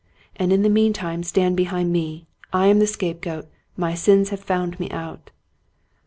And in the meantime stand behind me. I am the scapegoat; my sins have found me out."